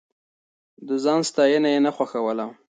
د ځان ستاينه يې نه خوښوله.